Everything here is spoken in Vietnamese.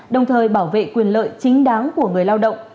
đồng thời bảo vệ quyền lợi chính đáng của người lao động